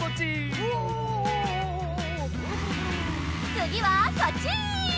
つぎはこっち！